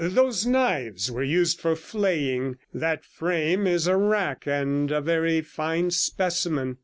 Those knives were used for flaying; that frame is a rack, and a very fine specimen.